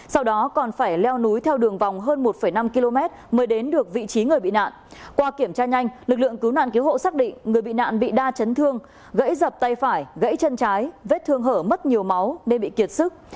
sau đó còn phải leo núi theo đường vòng hơn một năm km mới đến được vị trí người bị nạn qua kiểm tra nhanh lực lượng cứu nạn cứu hộ xác định người bị nạn bị đa chấn thương gãy dập tay phải gãy chân trái vết thương hở mất nhiều máu nên bị kiệt sức